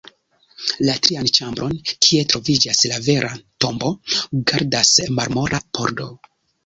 La trian ĉambron, kie troviĝas la vera tombo, gardas marmora pordo.